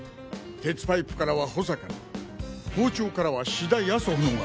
鉄パイプからは保坂の包丁からは志田康保のが。